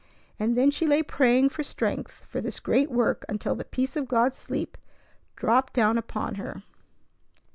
And then she lay praying for strength for this great work until the peace of God's sleep dropped down upon her.